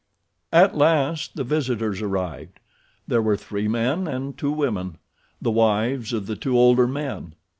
At last the visitors arrived. There were three men and two women—the wives of the two older men.